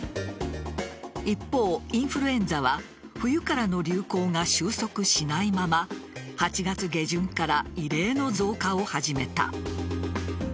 一方、インフルエンザは冬からの流行が収束しないまま８月下旬から異例の増加を始めた。